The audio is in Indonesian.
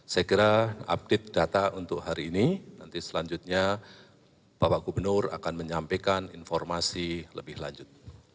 saya kira update data untuk hari ini nanti selanjutnya bapak gubernur akan menyampaikan informasi lebih lanjut